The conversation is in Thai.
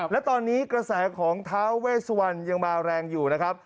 และตอนนี้กระแสของท้าเวสวันยังมาแรงอยู่นะครับ